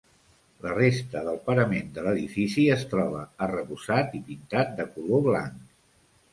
La resta del parament de l'edifici es troba arrebossat i pintat de color blanc.